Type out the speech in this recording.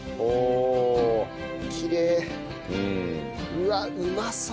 うわっうまそう！